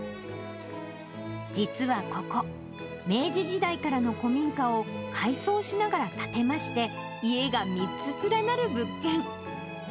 実はここ、明治時代からの古民家を、改装しながら建てまして、家が３つ連なる物件。